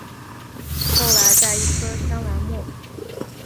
后来在一棵香兰木。